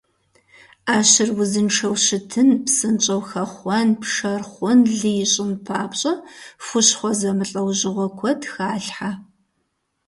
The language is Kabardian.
Ӏэщыр узыншэу щытын, псынщӀэу хэхъуэн, пшэр хъун, лы ищӀын папщӀэ, хущхъуэ зэмылӀэужьыгъуэ куэд халъхьэ.